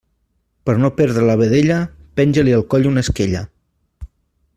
Per no perdre la vedella, penja-li al coll una esquella.